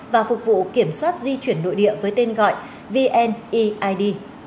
và phục vụ kiểm soát di chuyển nội địa với tên gọi vneid